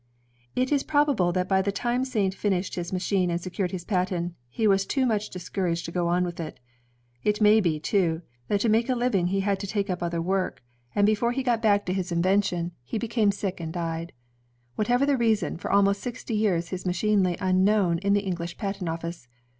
It is probable that by the time Saint finished his machine and secured his patent, he was too much discouraged to go on with it. It may be, too, that to make a living he had to take vp other work, and before he got back to his 126 INVENTIONS OF MANUFACTURE AND PRODUCTION^ invention, he became sick and died. Whatever the reason, for ahnost sixty years his machine lay unknown in the English patent office.